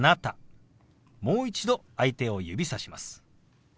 もう一度相手を指さします。